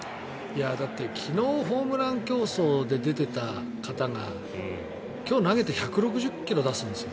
だって、昨日ホームラン競争で出ていた方が今日、投げて１６０ｋｍ出すんですよ。